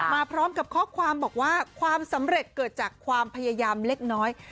มาพร้อมกับข้อความบอกว่าความสำเร็จเกิดจากความพยายามเล็กน้อย